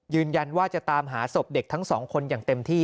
ยืนยันว่าจะตามหาศพเด็กทั้งสองคนอย่างเต็มที่